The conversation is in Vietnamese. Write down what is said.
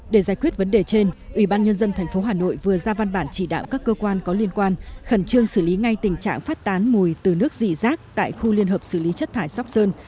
để giải quyết vấn đề trên ủy ban nhân dân tp hà nội vừa ra văn bản chỉ đạo các cơ quan có liên quan khẩn trương xử lý ngay tình trạng phát tán mùi từ nước dị rác tại khu liên hợp xử lý chất thải sóc sơn